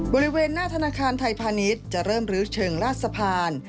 บริเวณหน้าธนาคารไทยพาณิชย์จะเริ่มลื้อเชิงลาดสะพาน